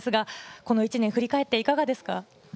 この１年を振り返っていかがですか？